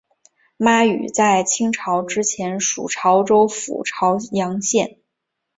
妈屿在清朝之前属潮州府潮阳县。